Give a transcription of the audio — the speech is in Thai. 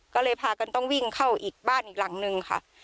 ก็เลยพากันต้องวิ่งเข้าอีกบ้านอีกหลังนึงค่ะ